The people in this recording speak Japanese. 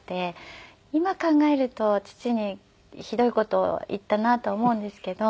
今考えると父にひどい事を言ったなと思うんですけど。